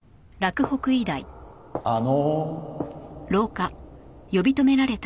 あの。